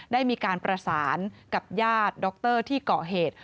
ได้มีการประสานกับญาติดรที่เกาะเหตุ